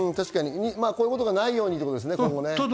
こういうことがないようにってことですね。